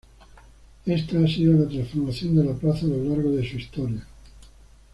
Esta ha sido la transformación de la Plaza a lo largo de su historia.